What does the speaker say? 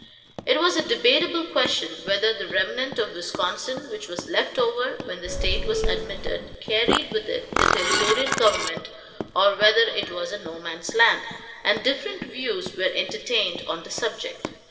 It was a debatable question whether the remnant of Wisconsin which was left over when the state was admitted carried with it the territorial government, or whether it was a "no man's land," and different views were entertained on the subject.